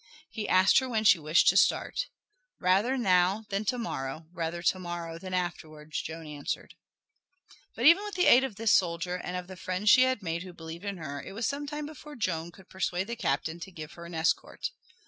He asked her when she wished to start. "Rather now than to morrow, rather to morrow than afterwards," Joan answered. But even with the aid of this soldier and of the friends she had made who believed in her it was some time before Joan could persuade the captain to give her an escort.